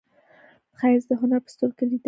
ښایست د هنر په سترګو کې لیدل کېږي